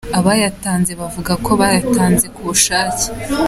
Abayatanze bavuga ko bayatanze ku bushake.